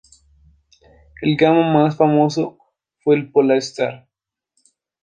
El "Gamma" más famoso fue el "Polar Star".